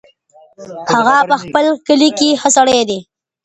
هغه ز په کلي کې ښه سړی دی.